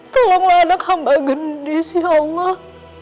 tolonglah anak hamba gendis ya allah